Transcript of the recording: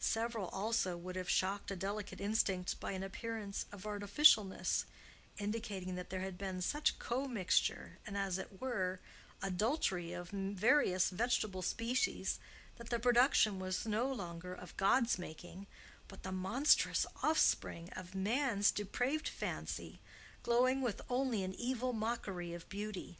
Several also would have shocked a delicate instinct by an appearance of artificialness indicating that there had been such commixture, and, as it were, adultery, of various vegetable species, that the production was no longer of God's making, but the monstrous offspring of man's depraved fancy, glowing with only an evil mockery of beauty.